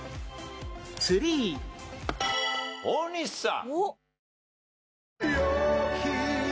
大西さん。